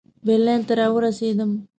برلین ته را ورسېدم.